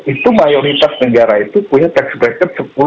itu mayoritas negara itu punya tax rate sepuluh